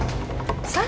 ini kan surat kepolisian